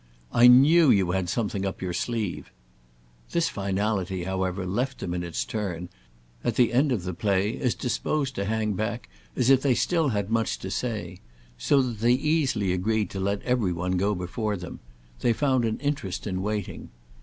"I knew you had something up your sleeve!" This finality, however, left them in its turn, at the end of the play, as disposed to hang back as if they had still much to say; so that they easily agreed to let every one go before them—they found an interest in waiting.